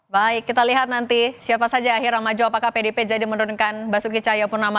baik kita lihat nanti siapa saja akhirnya maju apakah pdp jadi menurunkan basuki cahaya purnama